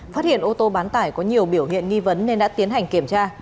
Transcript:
phát hiện ô tô bán tải có nhiều biểu hiện nghi vấn nên đã tiến hành kiểm tra